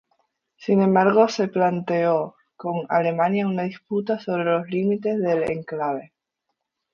Sin embargo, se planteó con Alemania una disputa sobre los límites del enclave.